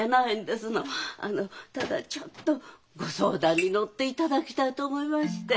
あのただちょっとご相談に乗っていただきたいと思いまして。